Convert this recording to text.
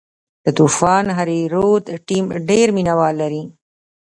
د طوفان هریرود ټیم ډېر مینه وال لري.